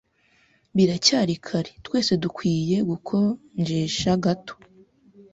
Biracyari kare. Twese dukwiye gukonjesha gato.